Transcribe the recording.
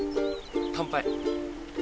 乾杯。